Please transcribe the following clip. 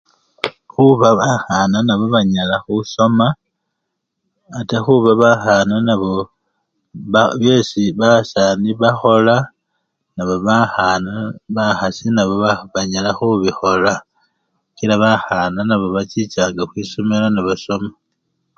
Khuba bakhana nabo banyala khusoma ate khuba bakhana nabo ba! besibasani bakhola nabo bakhana! bakhasi nabo ba! banyalakhola kila bakhana nabo bachichanga khwisomelo nebasoma.